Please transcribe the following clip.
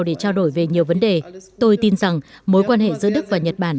để trao đổi về nhiều vấn đề tôi tin rằng mối quan hệ giữa đức và nhật bản